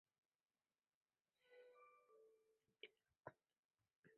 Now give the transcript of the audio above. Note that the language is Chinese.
十字军东征。